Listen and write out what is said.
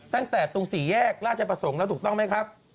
ตั้งแต่ตรงสี่แยกราชประสงค์แล้วถูกต้องไหมครับ